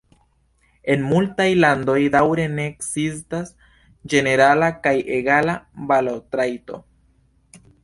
En multaj landoj daŭre ne ekzistas ĝenerala kaj egala balotrajto.